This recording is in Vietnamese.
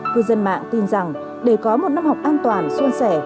cư dân mạng tin rằng để có một năm học an toàn xuân sẻ